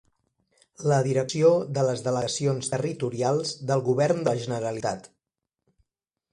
La direcció de les delegacions territorials del Govern de la Generalitat.